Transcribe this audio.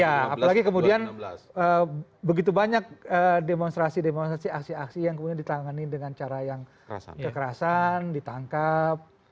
ya apalagi kemudian begitu banyak demonstrasi demonstrasi aksi aksi yang kemudian ditangani dengan cara yang kekerasan ditangkap